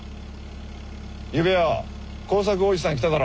ゆうべよ耕作おじさん来ただろ？